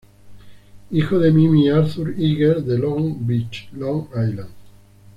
Hijo de Mimi y Arthur Iger de Long Beach, Long Island.